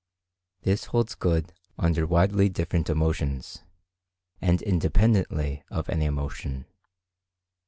This holds good under widely different emotions, and independently of any emotion.